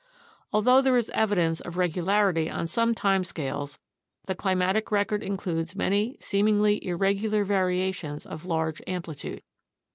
Although there is evidence of regularity on some time scales, the climatic record includes many seemingly irregular variations of large amplitude.